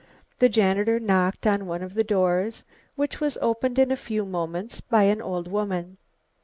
The janitor knocked on one of the doors, which was opened in a few moments by an old woman.